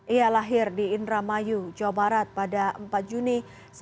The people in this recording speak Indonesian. ia lahir di indramayu jawa barat pada empat juni seribu sembilan ratus enam puluh